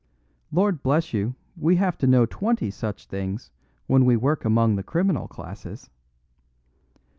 Lord bless you, we have to know twenty such things when we work among the criminal classes!